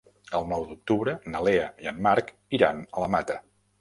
El nou d'octubre na Lea i en Marc iran a la Mata.